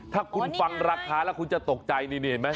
ถ้าคุณฟังราคาแล้วคุณจะตกใจนี่เห็นไหม